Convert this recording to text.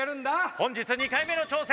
本日２回目の挑戦！